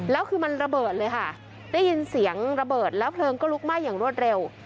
แล้วคือมันระเบิดเลยค่ะได้ยินเสียงระเบิดแล้วเพลิงก็ลุกไหม้อย่างรวดเร็ว